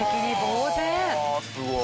すごい。